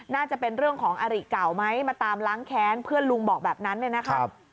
น่าจะเป็นเรื่องของอาริเก่าไหมมาตามล้างแค้นเพื่อนลุงบอกแบบนั้นเนี่ยนะครับ